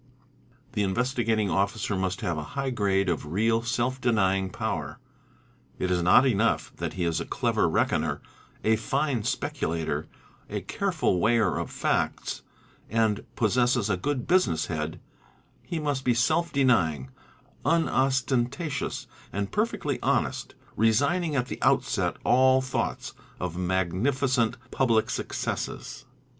The Investigating Officer must have a high grade of real self denying 1 SIC EARN OA UF AD BN AP PD A A SA 3 A A I A power. It is not enough that he is a clever reckoner, a fine speculator, a careful weigher of facts, and possesses a good business head, he must _be self denying, unostentatious and perfectly honest, resigning at the out Le Ped foe ir set all thoughts of magnificent public successes.